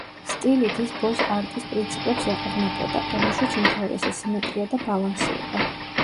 სტილით ის ბოზ-არტის პრინციპებს ეყრდნობოდა, რომელშიც უმთავრესი სიმეტრია და ბალანსი იყო.